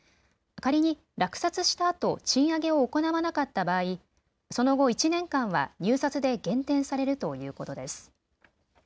仮に落札したあと賃上げを行わなかった場合、その後１年間は入札で減点されるということです。